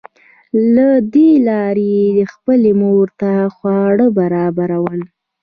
له دې لارې یې خپلې مور ته خواړه برابرول